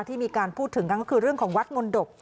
ที่มีการพูดถึงกันก็คือเรื่องของวัดมนตบ